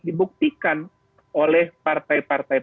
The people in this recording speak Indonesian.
dibuktikan oleh partai partai